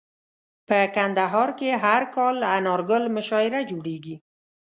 په کندهار کي هر کال انارګل مشاعره جوړیږي.